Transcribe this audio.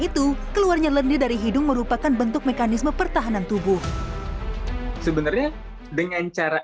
itu keluarnya lendi dari hidung merupakan bentuk mekanisme pertahanan tubuh sebenarnya dengan cara